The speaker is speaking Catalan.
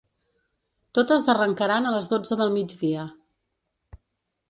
Totes arrencaran a les dotze del migdia.